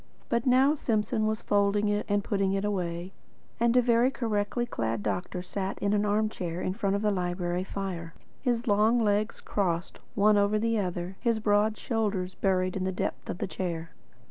But now Simpson was folding it and putting it away, and a very correctly clad doctor sat in an arm chair in front of the library fire, his long legs crossed the one over the other, his broad shoulders buried in the depths of the chair.